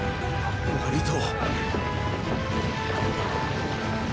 割と。